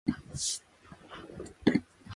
渡島当別駅